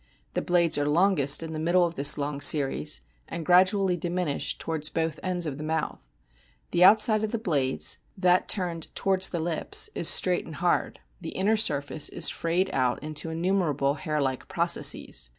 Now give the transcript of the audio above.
The blades are longest in the middle of this long series, and gradually diminish towards both ends of the mouth. The outside of the blades, that turned towards the lips, is straight and hard ; the inner side is frayed out into innumerable hair like processes.